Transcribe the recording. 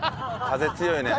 風強いね。